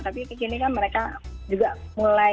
tapi kekini kan mereka juga mulai